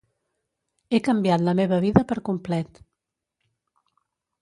He canviat la meva vida per complet.